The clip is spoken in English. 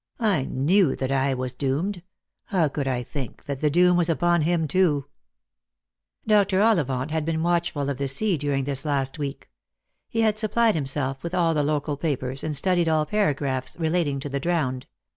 I knew that I was doomed. How could I think that the doom was upon him too ?" Dr. Ollivant had been watchful of the sea during this last week. He had supplied himself with all the local papers, and studied all paragraphs relating to the drowned.